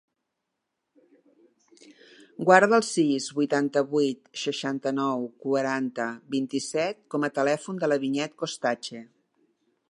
Guarda el sis, vuitanta-vuit, seixanta-nou, quaranta, vint-i-set com a telèfon de la Vinyet Costache.